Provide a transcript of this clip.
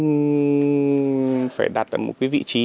phải đặt ở một vị trí